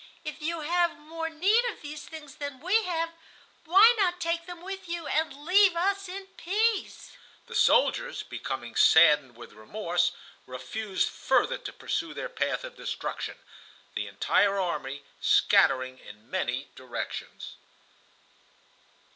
If you have more need of these things than we have, why not take them with you and leave us in peace?" The soldiers, becoming saddened with remorse, refused further to pursue their path of destruction—the entire army scattering in many directions.